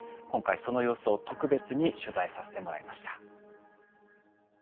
今回その様子を特別に取材させてもらいました。